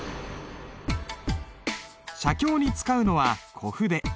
写経に使うのは小筆。